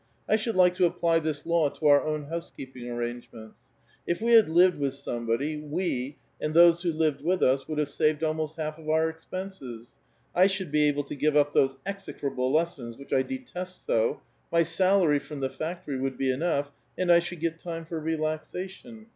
should like to apply this law to our own housekeeping xraiigements. If we had lived with somebo<ly, we, and "tliose who lived with us, would have saved almost half of ^"^'wr expenses. I should be able to give up those execrable ^^ssons, which I detest so; my salary from the factory "^vould be enough, and I should get time for relaxation.